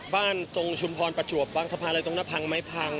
บ้านตรงชุมพรประจวบวางสะพานเลยตรงระพังหรือไม่พัง